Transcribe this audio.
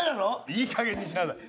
いいかげんにしなさい。